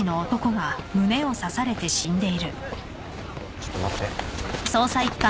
ちょっと待って。